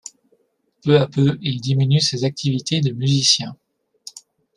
Peu à peu il diminue ses activités de musicien.